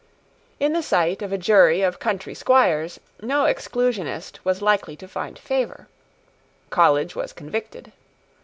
In the sight of a jury of country squires no Exclusionist was likely to find favour. College was convicted.